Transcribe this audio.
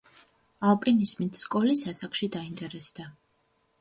ალპინიზმით სკოლის ასაკში დაინტერესდა.